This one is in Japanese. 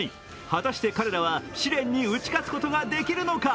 果たして彼らは試練に打ち勝つことができるのか。